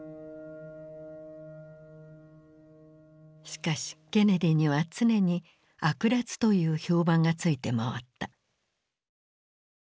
しかしケネディには常に悪辣という評判がついて回った。